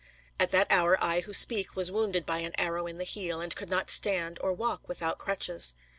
At that hour I who speak was wounded by an arrow in the heel, and could not stand or walk without crutches.